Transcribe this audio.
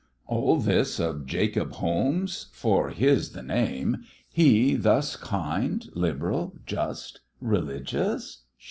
All this of Jacob Holmes? for his the name: He thus kind, liberal, just, religious?